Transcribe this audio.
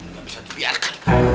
nggak bisa dibiarkan